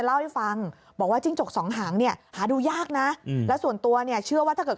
เล่าให้ฟังบอกว่าจิ้งจกสองหางเนี่ยหาดูยากนะแล้วส่วนตัวเนี่ยเชื่อว่าถ้าเกิด